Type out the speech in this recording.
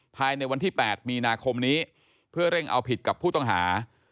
ภายในวันที่๘มีนาคมนี้เพื่อเร่งเอาผิดกับผู้ต้องหา